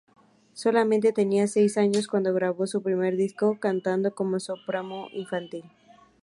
Solamente tenía seis años cuando grabó su primer disco, cantando como soprano infantil.